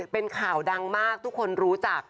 เป็นข่าวดังมากทุกคนรู้จัก